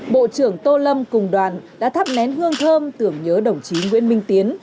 bộ trưởng tô lâm cùng đoàn đã thắp nén hương thơm tưởng nhớ đồng chí nguyễn minh tiến